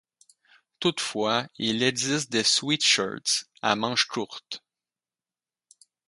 Toutefois, il existe des sweat-shirts à manches courtes.